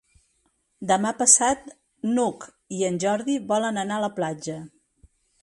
Demà passat n'Hug i en Jordi volen anar a la platja.